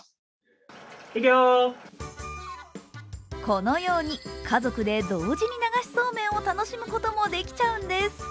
このように家族で同時に流しそうめんを楽しむこともできちゃうんです。